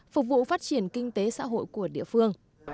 phục vụ phát triển kinh tế xã hội của địa phương